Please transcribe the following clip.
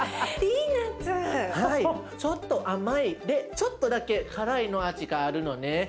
ちょっと甘いでちょっとだけ辛いの味があるのね。